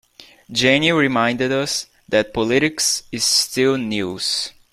Jenny reminded us that politics is still news.